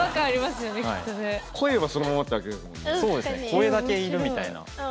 声だけいるみたいな。